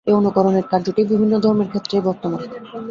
এই অনুকরণের কার্যটি বিভিন্ন ধর্মের ক্ষেত্রেই বর্তমান।